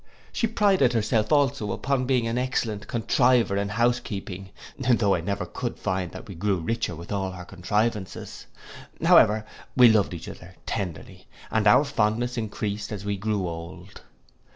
She prided herself also upon being an excellent contriver in house keeping; tho' I could never find that we grew richer with all her contrivances. However, we loved each other tenderly, and our fondness encreased as we grew old.